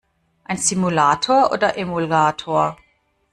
Ein Simulator oder Emulator?